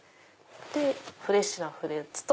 でフレッシュなフルーツと。